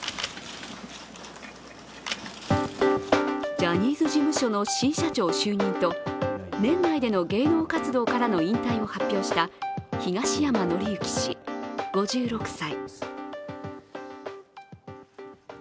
ジャニーズ事務所の新社長就任と年内での芸能活動からの引退を発表した東山紀之氏５６歳。